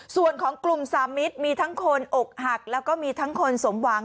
ส่วนของกลุ่มสามมิตรมีทั้งคนอกหักแล้วก็มีทั้งคนสมหวัง